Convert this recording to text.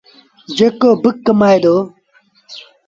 جيڪو با ڪمآئي دو۔